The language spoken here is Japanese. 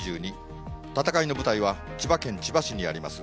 戦いの舞台は千葉県千葉市にあります